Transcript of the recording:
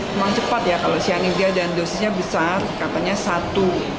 memang cepat ya kalau cyanida dan dosisnya besar katanya satu